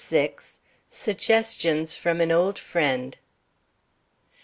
SUGGESTIONS FROM AN OLD FRIEND.